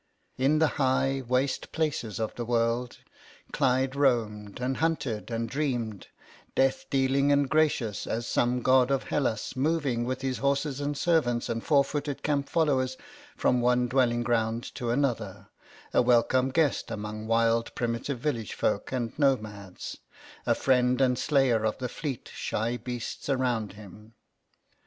In the high waste places of the world Clyde roamed and hunted and dreamed, death dealing and gracious as some god of Hellas, moving with his horses and servants and four footed camp followers from one dwelling ground to another, a welcome guest among wild primitive village folk and nomads, a friend and slayer of the fleet, shy beasts around him.